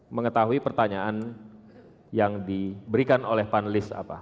mengetahui pertanyaan yang diberikan oleh panelis apa